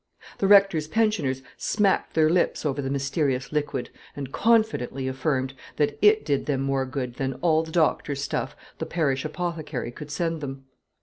The Rector's pensioners smacked their lips over the mysterious liquid and confidently affirmed that it did them more good than all the doctor's stuff the parish apothecary could send them.